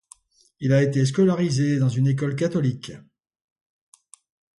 Il a été scolarisé dans une école catholique.